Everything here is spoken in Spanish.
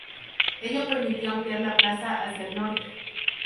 Ello permitió ampliar la plaza hacia el norte.